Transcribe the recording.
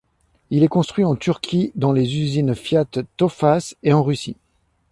Il est construit en Turquie dans les usines Fiat Tofaş et en Russie.